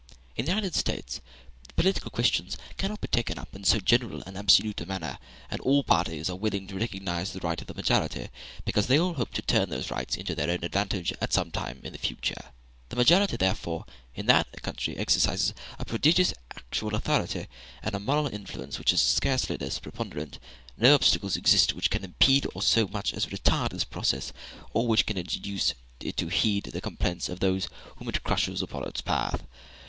In the United States political questions cannot be taken up in so general and absolute a manner, and all parties are willing to recognize the right of the majority, because they all hope to turn those rights to their own advantage at some future time. The majority therefore in that country exercises a prodigious actual authority, and a moral influence which is scarcely less preponderant; no obstacles exist which can impede or so much as retard its progress, or which can induce it to heed the complaints of those whom it crushes upon its path.